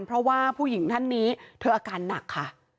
เพราะว่าผู้หญิงท่านนี้เธออาการหนักค่ะ